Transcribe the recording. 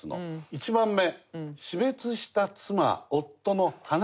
１番目死別した妻・夫の話をする人。